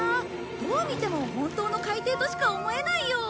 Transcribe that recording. どう見ても本当の海底としか思えないよ。